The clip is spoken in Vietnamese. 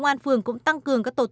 bây giờ anh đang đi đâu ạ